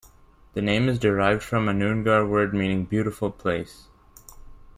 The name is derived from a Noongar word meaning "beautiful place".